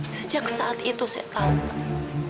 sejak saat itu saya tahu pak